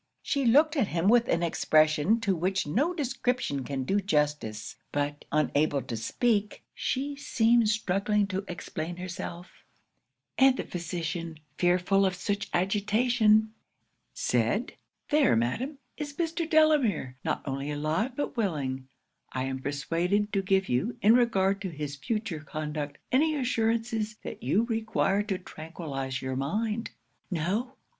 'She looked at him with an expression to which no description can do justice; but unable to speak, she seemed struggling to explain herself; and the physician, fearful of such agitation, said "There, madam, is Mr. Delamere; not only alive, but willing, I am persuaded, to give you, in regard to his future conduct, any assurances that you require to tranquillise your mind." '"No!"